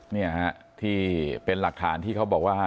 นี่ฮะที่เป็นหลักฐานที่เขาบอกว่า